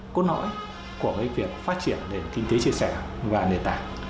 cốt nỗi của việc phát triển để kinh tế chia sẻ và nền tảng